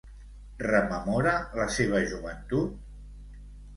Rememora la seva joventut?